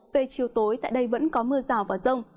về chiều tối tại đây vẫn có mưa rào và rông